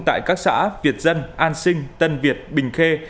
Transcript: tại các xã việt dân an sinh tân việt bình khê